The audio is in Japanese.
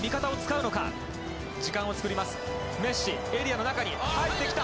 メッシエリアの中に入ってきた！